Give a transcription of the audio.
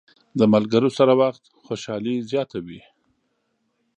د ملګرو سره وخت خوشحالي زیاته وي.